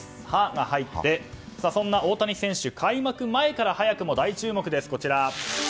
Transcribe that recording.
「ハ」が入ってそんな大谷選手、開幕前から早くも大注目です。